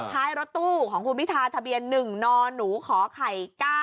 ท้ายรถตู้ของคุณพิธาทะเบียน๑นหนูขอไข่๙